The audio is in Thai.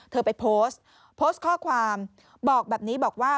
เธอไปโพสต์โพสต์ข้อความบอกแบบนี้บอกว่า